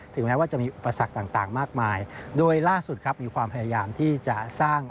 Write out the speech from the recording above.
แม้ว่าจะมีอุปสรรคต่างมากมายโดยล่าสุดครับมีความพยายามที่จะสร้าง